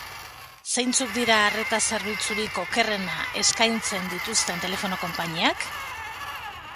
Zeintzuk dira arreta zerbitzurik okerrena eskaintzen dituzten telefono konpainiak?